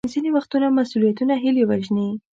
ځینې وختونه مسوولیتونه هیلې وژني.